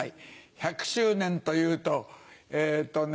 １００周年というとえっとね